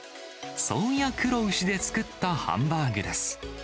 そうや黒牛で作ったハンバーグです。